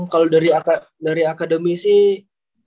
kalau dari akademi sih